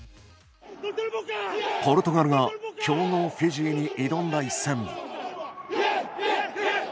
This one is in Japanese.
ポルトガルが強豪フィジーに挑んだ一戦。